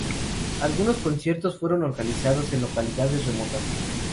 Algunos conciertos fueron organizados en localizaciones remotas.